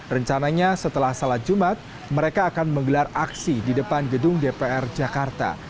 rencananya setelah salat jumat mereka akan menggelar aksi di depan gedung dpr jakarta